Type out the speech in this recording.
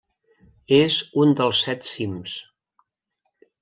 És un dels Set Cims.